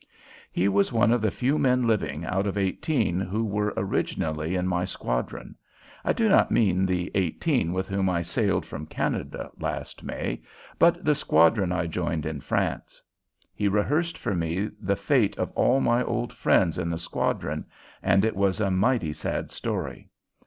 He was one of the few men living out of eighteen who were originally in my squadron I do not mean the eighteen with whom I sailed from Canada last May, but the squadron I joined in France. He rehearsed for me the fate of all my old friends in the squadron, and it was a mighty sad story.